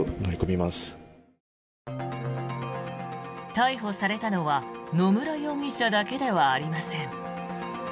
逮捕されたのは野村容疑者だけではありません。